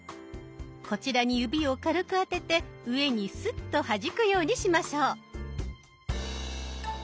こちらに指を軽くあてて上にスッとはじくようにしましょう。